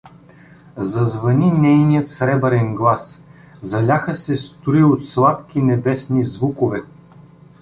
Зазвъни нейният сребърен глас, заляха се струи от сладки небесни звукове.